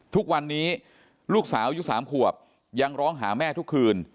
ทุกวันนี้ลูกสาวอายุ๓ขวบยังร้องหาแม่ทุกคืน